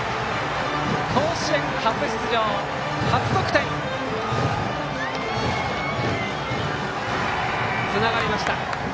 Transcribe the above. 甲子園初出場、初得点！つながりました。